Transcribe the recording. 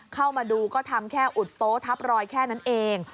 เข้ามาดูก็ทำแค่อุดโป๊ทับรอยแค่นั้นเอง